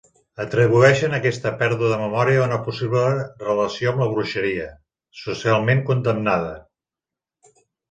Atribueixen aquesta pèrdua de memòria a una possible relació amb la bruixeria, socialment condemnada.